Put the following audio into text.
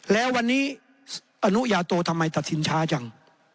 แล้ววันนี้อนุญาโตทำไมตัดสินช้าจัง